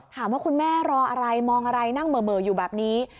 ถามว่าคุณแม่รออะไรมองอะไรนั่งเมอร์อยู่แบบนี้